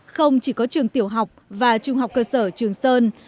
không chỉ có trường tiểu học và trung học cơ sở trường sơn